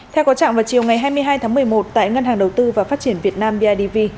theo có trạng vào chiều ngày hai mươi hai tháng một mươi một tại ngân hàng đầu tư và phát triển việt nam bidv